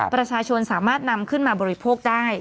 ประชาชนสามารถนำขึ้นมาบริโภคได้